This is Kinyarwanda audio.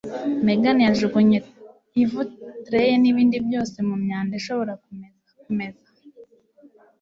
Megan yajugunye ivu, tray nibindi byose, mumyanda ishobora kumeza kumeza.